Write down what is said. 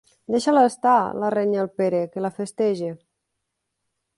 Deixa'l estar —la renya el Pere, que la festeja.